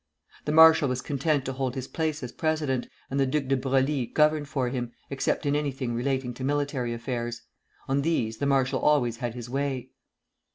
The marshal was content to hold his place as president, and the Duc de Broglie governed for him, except in anything relating to military affairs. On these the marshal always had his way.